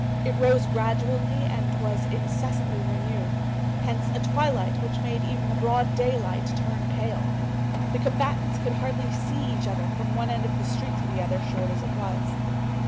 It rose gradually and was incessantly renewed; hence a twilight which made even the broad daylight turn pale. The combatants could hardly see each other from one end of the street to the other, short as it was.